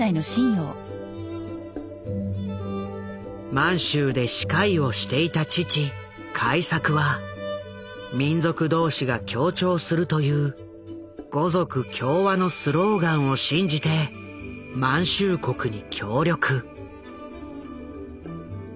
満州で歯科医をしていた父開作は民族同士が協調するという「五族協和」のスローガンを信じて満州国に協力。